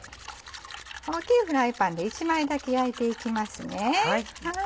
大きいフライパンで１枚だけ焼いていきますね。